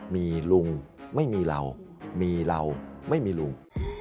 มีลุงไม่มีเรามีเราไม่มีลุง